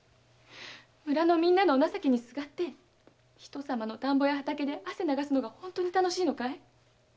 村のみんなのお情けにすがって人さまのたんぼや畑で汗流すのが本当に楽しいのかい？